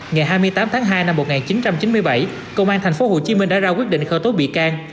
ngày hai mươi tám tháng hai năm một nghìn chín trăm chín mươi bảy công an tp hcm đã ra quyết định khởi tố bị can